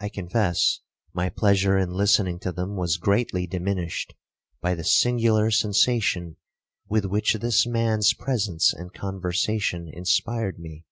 I confess my pleasure in listening to them was greatly diminished by the singular sensation with which this man's presence and conversation inspired me.